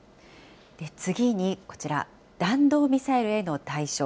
次にこちら、弾道ミサイルへの退所。